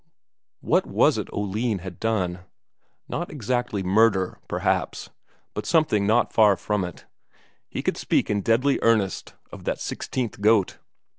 What was it Oline had done? Not exactly murder, perhaps, but something not far from it. He could speak in deadly earnest of that sixteenth goat.